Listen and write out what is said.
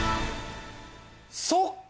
そっか。